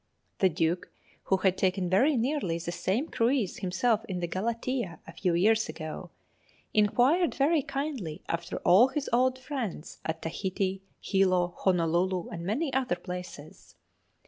The Duke, who had taken very nearly the same cruise himself in the 'Galatea' a few years ago, inquired very kindly after all his old friends at Tahiti, Hilo, Honolulu, and many other places.